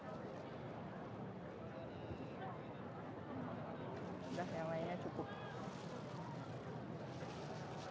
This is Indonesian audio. udah yang lainnya cukup